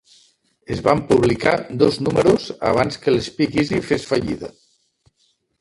Es van publicar dos números abans que Speakeasy fes fallida.